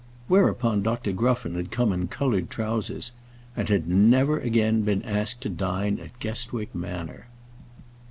Whereupon Dr. Gruffen had come in coloured trowsers, and had never again been asked to dine at Guestwick Manor.